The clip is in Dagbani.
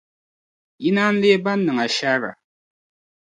Yi naan leei ban niŋ ashaara.